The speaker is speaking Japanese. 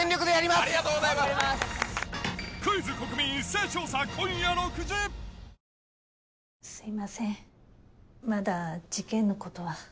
すいませんまだ事件のことは。